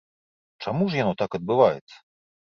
Чаму ж яно так адбываецца?